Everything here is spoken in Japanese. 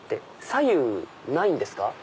左右ないんですか？